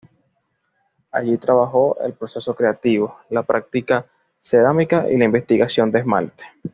Allí trabajó el proceso creativo, la práctica cerámica y la investigación de esmaltes.